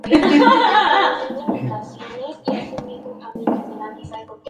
Aterriza en un bosque donde los animalitos comienzan a observarla.